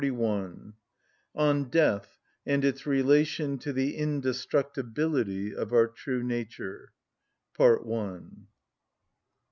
(27) On Death And Its Relation To The Indestructibility Of Our True Nature.